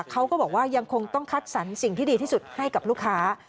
เขาก็บอกว่ายังคงต้องคัดสรรสิ่งที่ดีที่สุดให้กับลูกค้า